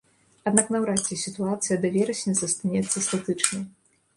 Аднак наўрад ці сітуацыя да верасня застанецца статычнай.